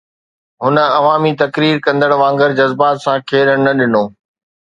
هن عوامي تقرير ڪندڙن وانگر جذبات سان کيڏڻ نه ڏنو.